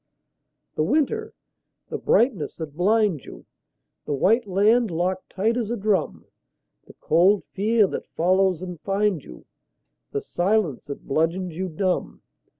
The winter! the brightness that blinds you, The white land locked tight as a drum, The cold fear that follows and finds you, The silence that bludgeons you dumb.